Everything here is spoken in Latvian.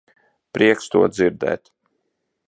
Prieks to dzirdēt.